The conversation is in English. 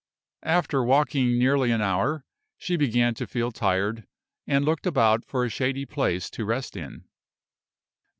After walking nearly an hour, she began to feel tired, and looked about for a shady place to rest in.